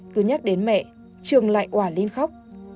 cứ nhắc đến mẹ trường lại quả lên khóc